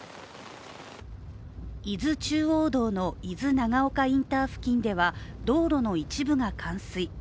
伊豆中央道の伊豆長岡インター付近では道路の一部が冠水。